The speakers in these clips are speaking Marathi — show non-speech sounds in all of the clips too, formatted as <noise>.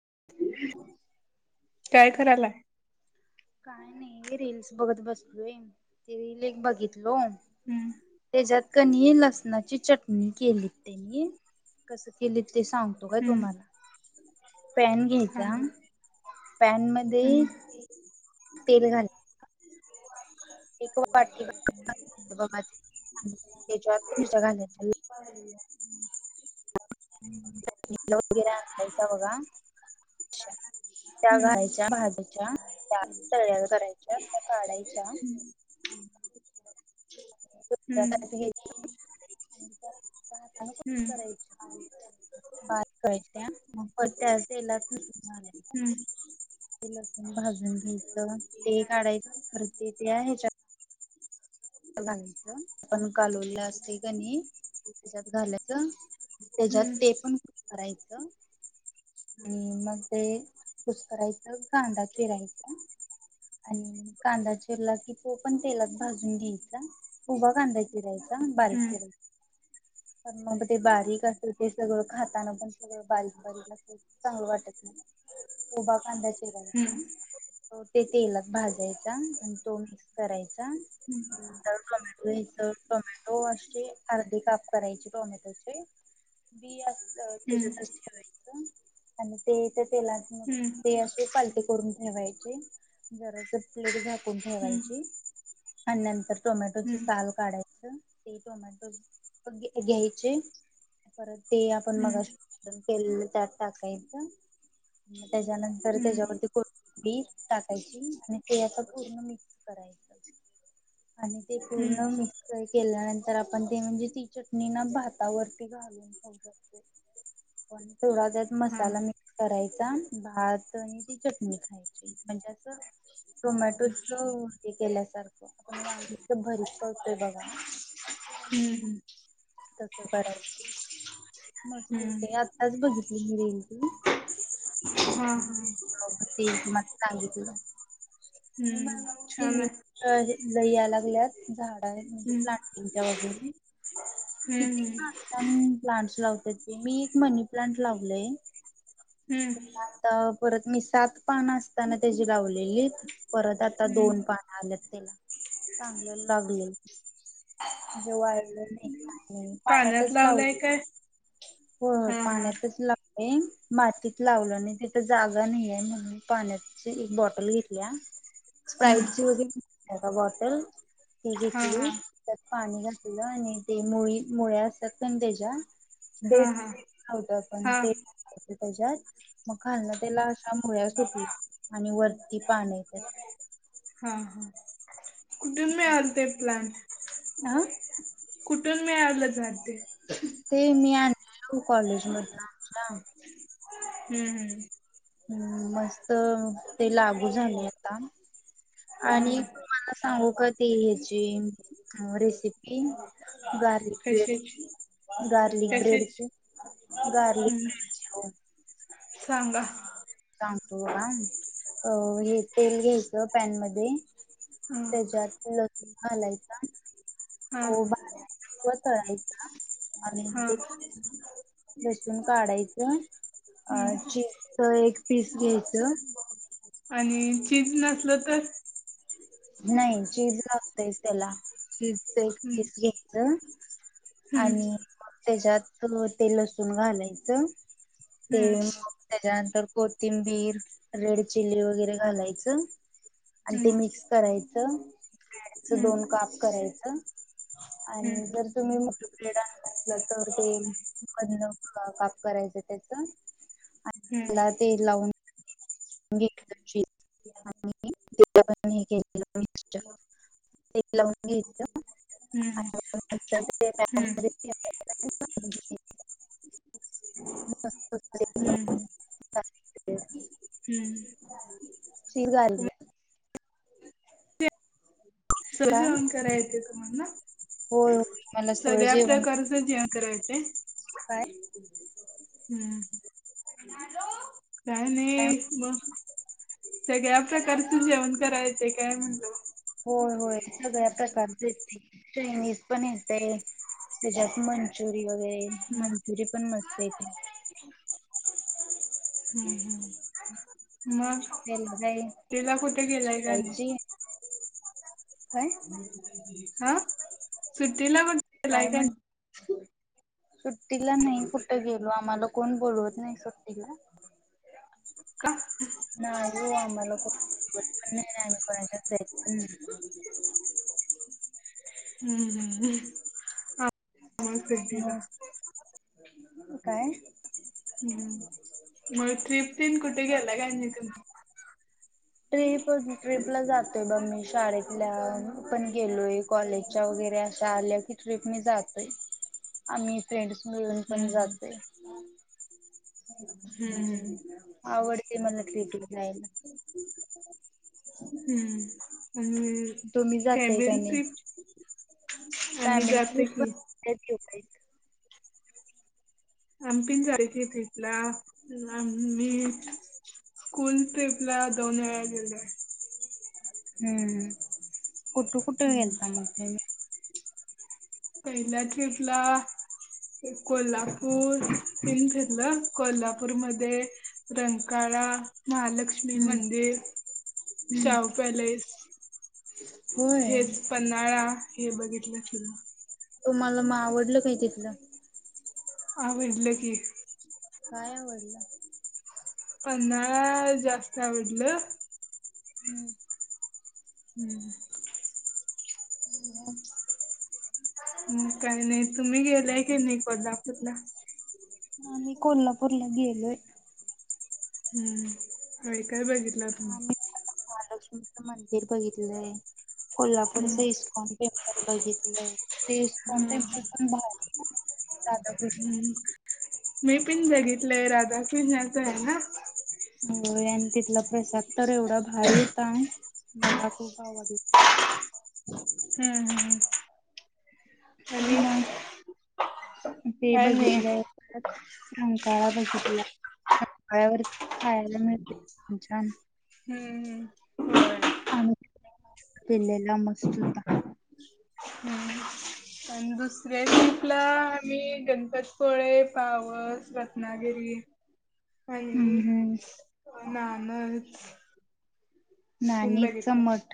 <inaudible> काय करायलाय? काय नाही रिल्स बघत बसलोय. ते रीली एक बघितलो, हम्म त्याच्यात कणी लसणाची चटणी केली त्यांनी. कसं केले ते सांगतो काय हम्म तुम्हाला. पॅन घ्यायचा, सांगा पॅनमध्ये हम्म तेल घाला <unintelligible> <unintelligible> त्या हम्म घायच्या भाजायच्या, त्या तळल्याल करायच्या, त्या काढायच्या. <unintelligible> हाताने हं. कट करायच <unintelligible> हं. ते लसूण भाजून घेतेतलं ते काढायचं, परत ते ते ह्याच्यात घालायचं. आपण कालवलेलं असते का नाही, त्याच्यात घालायच. त्याच्यात ते पण करायचं. आणि मग ते कुसकरायचं. कांदा चिरायचा. आणि कांदा चिरला कि तो पण तेलात भाजून घ्या चा. उभा कांदा चिरायचा, बारीक हम्म चिरायचा. पण मग ते बारीक असत ते सगळं खाताना पण सगळं बारीक बारीक असेल चांगलं वाटत उभा कांदा हम्म हम्म चिरायचा. ते तेलात भाजायचा आणि तो मिक्स करायचा. चार टोमॅटो घ्यायचं. टोमॅटो असे अर्धे काप करायचे टोमॅटोचे. बी अस हम्म त्याच्यातच ठेवायचं. आणि ते तेलात हम्म ते असे पालथे करून ठेवायचे. जरा ते प्लेट झाकून ठेवायची हम्म आणि नंतर टोमॅटोच हम्म साल काढायचं. ते टोमॅटो घ्यायचे, परत ते आपण हम्म मगाशी वाटण केलेलं त्यात टाकायचं. मग हम्म त्याच्यानंतर हम्म त्याच्यावरती कोथंबीर टाकायची आणि ते असं पूर्ण मिक्स करायचं. आणि ते हम्म पूर्ण मिक्स कराय केल्यानंतर आपण ते म्हणजे ती चटणी ना भातावरती घालून खाऊ शकतो. पण थोडा त्यात हा मसाला मिक्स करायचा भात आणि ती चटणी खायची. म्हणजे अस टोमॅटोच हे केल्यासारखं आपण वांग्याची भरीत करतोय बघा. हम्म तस बर हाय. हम्म मस्त हम्म होते आताच बघितली मी रिल ती. हा हा हो म ते तुम्हाला सांगितलं. हम्म <unintelligible> छान आहे लई या लागल्यात, झाड आहेत. म्हणजे प्लांटिंगच्या वगैर. हं हं. प्लांट्स लावत ते. मी एक मनी प्लांट लावलय. हम्म हम्म तेव्हा आता परत मी सात पानं असताना त्याची लावलेलीत. परत आता हम्म दोन पान आल्यात त्याला, चांगलं लागलय. म्हणजे वाळलं नाही काही नाही. पाण्यात पाण्यातच लावलाय लावलय. काय हो, हा हा पाण्यातच ला मी मातीत लावलं नाही तिथ जागा नाही आहे म्हणून. पाण्याची एक बॉटल घेतलिया, स्प्राईट हम्म ची वगैरे नसत्या का बॉटल, ती हा घेतली. हा त्यात पाणी घातलेलं. आणि ते मुळी मुळ्या असतात ना त्याच्या. हा डेट हा न्हवत पण हा ते डेट त्याच्यात मग खालन त्याला अशा मुळ्या सुटल्या. आणि वरती पान येतात. हा. <unintelligible> चालते प्लॅन. आ? कुठून मिळालं झाड ते? ते मी आनल्या वो कॉलेजमधनं आता. हम्म हम्म. हम्म, मस्त ते लागू झालंय आता. हम्म आणि हम्म तुम्हाला सांगू का ती ह्याची अ रेसिपी? गार्लिक ब्रेड कशाची गार्लिक कशाची ब्रेडची. गार्लिक हम्म ब्रेडची ओ. सांगा. सांगतो बघा, अ हे तेल घ्यायचं पॅन मध्ये त्याच्यात लसूण घालायचा. हा हो भाजायचा किंवा तळायचा आणि मग हा त्या लसून काढायचं. अ हम्म चीजच एक पीस घ्यायचं. चीज नसलं तर? नाही चीज लागतंयच त्याला, चीजच एक हम्म पीस घ्यायचं आणि मग त्याच्यात ते लसूण घालायचं. हम्म ते मग त्याच्यानंतर कोथिंबीर, रेड चिली वगैरे घालायचं. आणि ते हम्म मिक्स करायचं ब्रेडचं हम्म दोन काप करायचं. हम्म आणि जर तुम्ही मोठं ब्रेड आणला असला तर ते मधनं काप कराय च त्याचं. हम्म. आणिण हे केले <unintelligible> पीट लावून घ्यायचं. हम्म आणी नंतर ते प्यान हम्म मधे ठेवायला घ्यायचं ह <unintelligible> हम्म. हम्म. शक <unintelligible> काय जावून कराय येतय तुम्हाना? होय. मला सगळं सगळ्या जेवण प्रकारचे जेवण कराय येतय. काय? काय नाही मग. सगळ्या प्रकारच जेवण कराय येतय काय म्हणलो? होय-होय सगळ्या प्रकारचे येतंय, चायनीज पण येतंय त्याच्यात मंचुरी वगैरे, हम्म मंचुरी पण मस्त येतंय. हम्म, हम्, त्याला काय मग. तिला कुठे गेलाय का नाही. हा सुट्टीला कुठे गेलाय काय-काय का म्हण नाही हम्म. सुट्टीला नाही कुठं गेलो, आम्हाला कोण बोलवत नाही सुट्टीला. का नाही हो आम्हाला कोण बोलवत पण नाही, आणि आम्ही कोणाच्या जात पण नाही. सध्याला नाही <unintelligible> काय? हम्म मग ट्रीप तेन कुठे गेला काय नाही तुम्ही? ट्रीप ट्रीपला जातोय बघ मी. शाळेतल्या पण गेलोय कॉलेजच्या वगैरे अशा आल्या की ट्रीप मी जा तोय आम्ही फ्रेंड्स मिळून पण जातोय. हम्म. आवडते मला ट्रीपला जायला. हम्म, आणि तुम्ही जाताय का फॅमिली नाही? ट्रिप? आम्ही फॅमिली जातो ट्रिप की पण <unintelligible> आम्ही पण जायचंय ट्रीपला, आम्ही स्कूल ट्रीपला दोन वेळा गेलोय. हम्म, कुठं कुठं गेलता मग तुम्ही? पहिल्या ट्रीपला ते कोल्हापूर तेन फिरलं, कोल्हापूरमध्ये रंका ळा महालक्ष्मी हम्म मंदिर, हम्म शाहू पॅलेस. होय हेच पन्हाळा हे बघितलं <unintelligible> तुम्हाला मग आवडलं काही तिथलं? आवडलं की. काय आवडलं? पन्हाळा जास्त आवडलं. हम्म. हम्म. <unintelligible> मग काही नाही, तुम्ही गेलाय काय नाही कोल्हापूरला? हा मी कोल्हापूरला गेलोय. हम्म, काय काय बघितलं तुम्ही? आम्ही महालक्ष्मीचं मंदिर बघितलंय कोल्हापूरच हम्म इस्कॉन टेम् पल बघितलंय, ते इस्कॉन हा टेम्पल भारी राधाकृष्ण हम्म, मी पण बघितलंय राधा कृष्णाचा आहे ना? होय, आणि तिथला प्रसाद तर एवढा भारी होता. मला खूप आवडला. हम्म हम्म हम्म. आणि पुन्हा ते काय नाही बघितलंय परत रंकाळा बघितला. रंकाळ्यावर खायला मिळतंय खूप छान. हम्म. होय. आम्ही पिलेला मस्त होता. हम्म हम्म, पण दुसऱ्या ट्रीपला आम्ही गणपतपुळे, पावस, रत्नागिरी हम्म आणि हम्म नानद नानीचा मठ.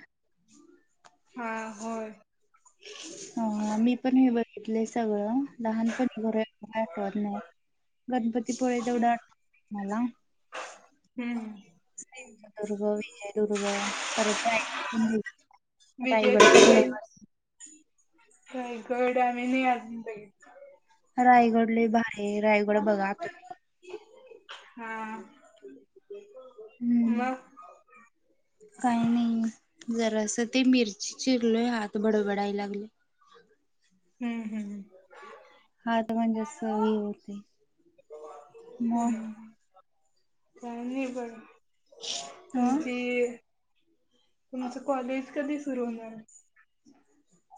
हा होय. ह मी पण हे बघितलंय सगळं, लहानपणी <unintelligible> आठवत नाही, गणपतीपुळे तेवढं आठवतंय मला. हम्म सिंधुदुर्ग, विजयदुर्ग परत <unintelligible> रायगड तर लय विजयदुर्ग भा रायगड आम्ही नाही अजून बघितला. रायगड लय भारीय रायगड बघा तुम्ही. हा <inaudible> हम्म, मग काही नाही जरा असं ते मिर चिरलोय हात बडबडाय लागले. हम्म हम्. हा तर म्हणजे होते म हम्म. काय नाही बर हं तुमची. तुमचं कॉलेज कधी सुरू होणार?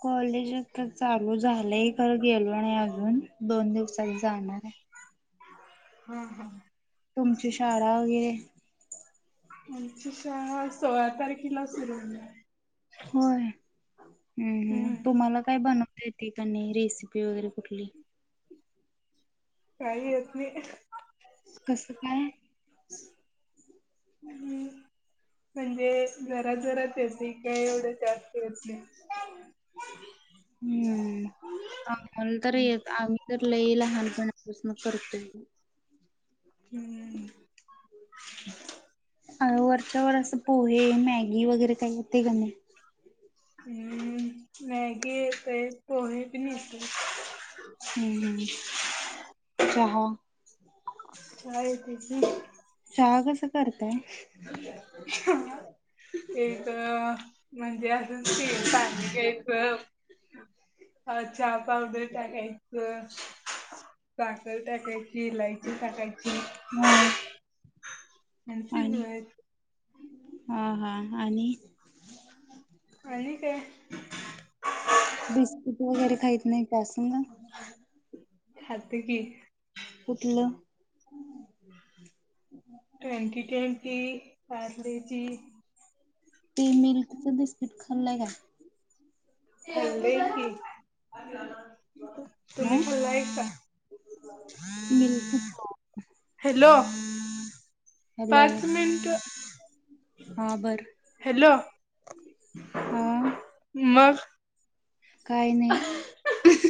कॉलेजच तर चालू झा मलाही खर गेलो आणि अजून दोन दिवसात जाणार आहे. हम्म हम्. तुमची शाळा वगैरे आमची शाळा सोळा तारखेला सुरू होली. होय हम् हम्म तुम्हाला काय बनवते? ते रेसिपी वगैरे कुठली? काही येत नाही. कसं काय? <unintelligible> म्हणजे घरात घरात येते काय एवढं जास्तले. हम्म. तर येत आम्ही तर लई लहानपणापासून करतोय. हम्. अ वरच्यावर असं पोहे मॅगी वगैरे काही येते का नाही. हम्म मॅगी येतय. पोहे पण येतय हम्म ह् चहा? चहा येतोय. चहा <unintelligible> एक म्हणजे अजून स पाणी घ्यायच. अ च्या पावडर टाकायच. साखर टाकायची. इलायची टाकायची. हा म्हनस आणि हो. ह आणि आणि काय बिस्किट वगैरे खाहीत नाही. कय असन ना? खते की. कुठलं? ट्वेंटी टेन की पार्ले जी. खाल्ले काय? बोला की तुम्ही फ्रि हाय काय? बिलकुल आहे. हॅलो. हॅलो पाच मिनटं हा बर हॅलो. हा मग काय मग अह.